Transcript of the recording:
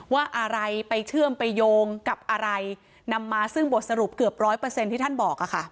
ว่าอะไรไปเชื่อมไปโยงกับอะไรนำมาซึ่งบทสรุปเกือบร้อยเปอร์เซ็นต์ที่ท่านบอกค่ะ